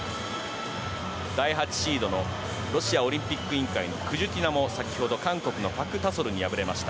第８シードのロシアオリンピック委員会のクジュチナも韓国のパク・ダソルに敗れました。